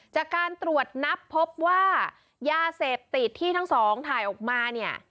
จากการตรวจนับพบว่ายาเสพติดที่ทั้งสองถ่ายออกมาเนี่ย